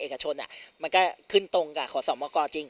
เอกชนมันก็ขึ้นตรงกับขอสมกรจริง